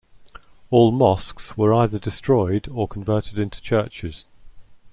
All mosques were either destroyed or converted into churches.